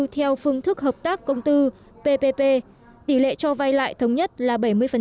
theo phương thức hợp tác công tư ppp tỷ lệ cho vay lại thống nhất là bảy mươi